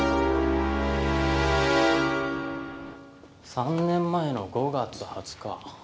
３年前の５月２０日。